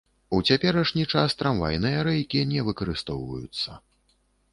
У цяперашні час трамвайныя рэйкі не выкарыстоўваюцца.